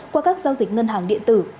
qua các giao dịch ngân hàng điện tử